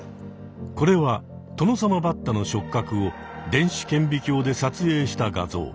これはトノサマバッタの触角を電子顕微鏡で撮影した画像。